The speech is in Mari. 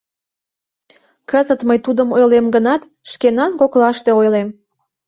Кызыт мый тудым ойлем гынат, шкенан коклаште ойлем.